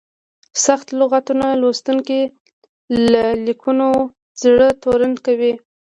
سخت لغتونه لوستونکي له لیکنو زړه تورن کوي.